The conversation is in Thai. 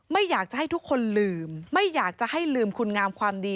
ไม่อยากจะให้ทุกคนลืมไม่อยากจะให้ลืมคุณงามความดี